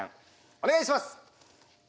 お願いします！